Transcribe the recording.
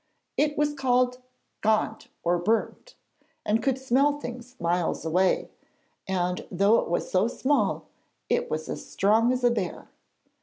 It was called Gant or 'Burnt,' and could smell things miles away, and, though it was so small, it was as strong as a bear.